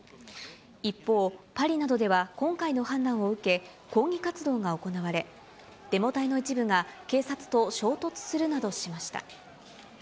一方、パリなどでは今回の判断を受け、抗議活動が行われ、デモ隊の一部が警察と衝突するなどしました。